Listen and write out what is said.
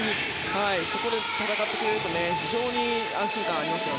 そこで戦ってくれると非常に安心感があります。